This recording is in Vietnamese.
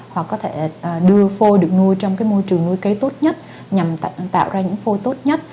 hoặc có thể đưa phô được nuôi trong môi trường nuôi cấy tốt nhất nhằm tạo ra những phô tốt nhất